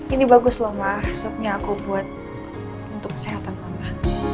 ini bagus loh mbak supnya aku buat untuk kesehatan mama